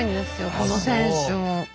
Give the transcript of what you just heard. この選手も。